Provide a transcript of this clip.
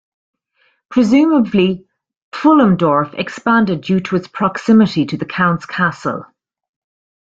Presumably, Pfullendorf expanded due to its proximity to the counts' castle.